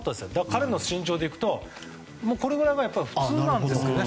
彼の身長でいくとこれぐらいは普通なんです。